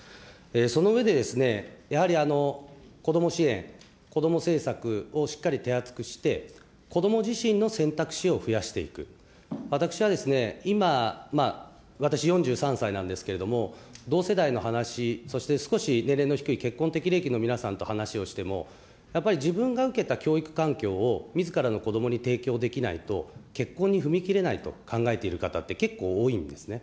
その上で、やはりこども支援、こども政策をしっかり手厚くして、子ども自身の選択肢を増やしていく、私は今、私４３歳なんですけれども、同世代の話、そして少し年齢の低い結婚適齢期の皆さんと話をしても、やっぱり自分が受けた教育環境をみずからの子どもに提供できないと、結婚に踏み切れないと考えてる方って、結構多いんですね。